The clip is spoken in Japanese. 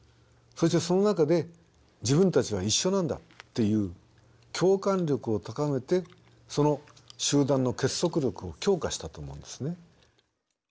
そしてその中で「自分たちは一緒なんだ」っていう共感力を高めてその集団の結束力を強化したと思うんですね。